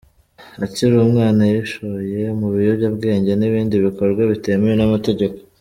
Akiri umwana yishoye mu biyobyabwenge n’ibindi bikorwa bitemewe n’amategeko.